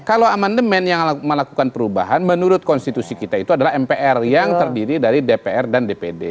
kalau amandemen yang melakukan perubahan menurut konstitusi kita itu adalah mpr yang terdiri dari dpr dan dpd